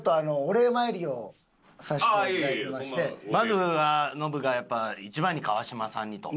まずはノブがやっぱ一番に川島さんにと。